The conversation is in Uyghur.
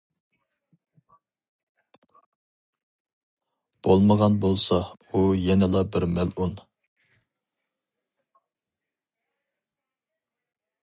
بولمىغان بولسا ئۇ يەنىلا بىر مەلئۇن.